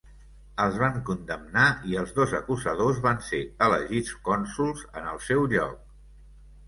Els van condemnar i els dos acusadors van ser elegits cònsols en el seu lloc.